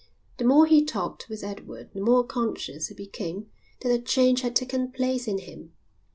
The more he talked with Edward the more conscious he became that a change had taken place in him.